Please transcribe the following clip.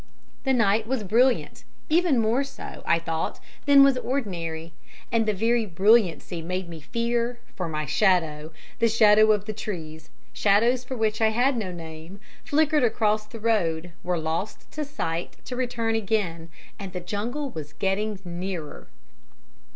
"The night was brilliant, even more so, I thought, than was ordinary, and the very brilliancy made me fear, for my shadow, the shadow of the trees, shadows for which I had no name, flickered across the road, were lost to sight to return again, and the jungle was getting nearer.